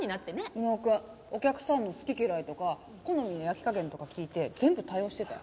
浮野くんお客さんの好き嫌いとか好みの焼き加減とか聞いて全部対応してたよ。